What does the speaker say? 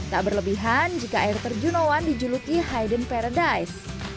tak berlebihan jika air terjun one dijuluki hidden paradise